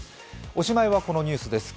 おしまいはこのニュースです。